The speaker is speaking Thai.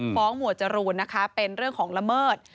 หมวดจรูนนะคะเป็นเรื่องของละเมิด